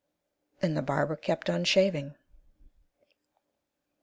And the barber kept on shaving.